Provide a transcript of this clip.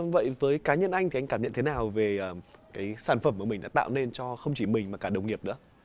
vậy với cá nhân anh thì anh cảm nhận thế nào về cái sản phẩm mà mình đã tạo nên cho không chỉ mình mà cả đồng nghiệp nữa